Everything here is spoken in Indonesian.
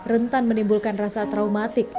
rentan menimbulkan rasa traumatik